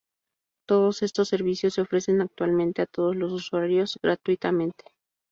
Todos estos servicios se ofrecen actualmente a todos los usuarios gratuitamente.